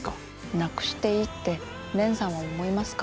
なくしていいって蓮さんは思いますか？